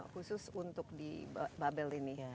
khusus untuk di babel ini